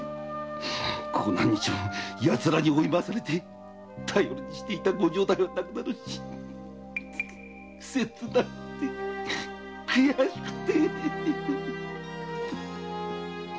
ここ何日もヤツらに追いまわされ頼りにしてたご城代も亡くなりせつなくって悔しくって。